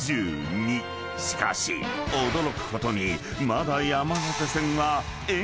［しかし驚くことに］